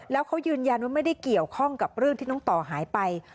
แล้วเขายืนยันว่าไม่ได้เกี่ยวข้องกับเรื่องที่น้องต่อหายไป